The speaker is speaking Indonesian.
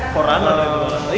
korana dan lain lain